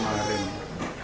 enggak alhamdulillah baik